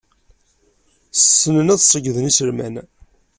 Ssnen ad ṣeyyden iselman.